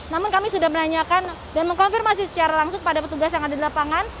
namun kami sudah menanyakan dan mengkonfirmasi secara langsung pada petugas yang ada di lapangan